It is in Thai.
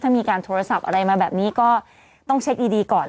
ถ้ามีการโทรศัพท์อะไรมาแบบนี้ก็ต้องเช็คดีก่อน